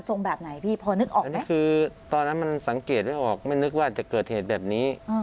แบบไหนพี่พอนึกออกไหมคือตอนนั้นมันสังเกตไม่ออกไม่นึกว่าจะเกิดเหตุแบบนี้